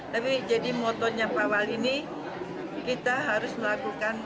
tapi jadi motonya pak wal ini kita harus melakukan